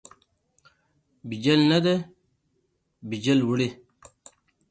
بیجل نه ده، بیجل وړي.